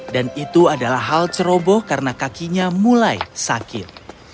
dan itu adalah hal ceroboh karena kakinya mulai sakit